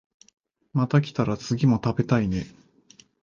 また来たら次も食べたいね